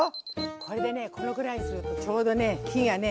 これでねこのぐらいするとちょうどね火がね